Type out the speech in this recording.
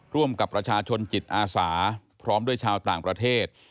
ร่วมกับประชาชนจิตอาสาพร้อมด้วยชาวต่างประเทศ